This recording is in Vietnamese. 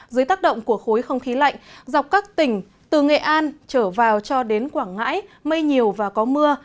dưới tác động của khối không khí lạnh dọc các tỉnh từ nghệ an trở vào cho đến quảng ngãi mây nhiều và có mưa